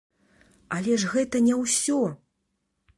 Але ж гэта не ўсё!